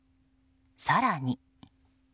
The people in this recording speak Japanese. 更に。